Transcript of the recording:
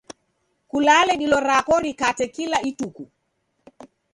Kulale dilo rako rikate kula ituku.